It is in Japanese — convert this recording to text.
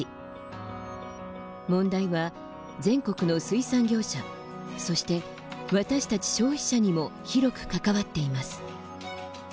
問題は全国の水産業者そして、私たち消費者にも広く関わっています。